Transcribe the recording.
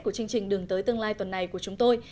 của chương trình đường tới tương lai tuần này của chúng tôi